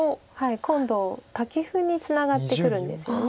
今度タケフにツナがってくるんですよね